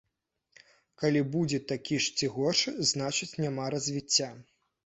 Калі будзе такі ж ці горшы, значыць няма развіцця.